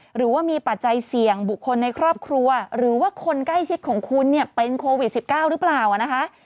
หรือว่ามีปัจจัยเสี่ยงบุคคลในครอบครัวหรือว่าคนใกล้ชิดของคุณเนี่ยเป็นโควิด๑๙หรือเปล่านะคะ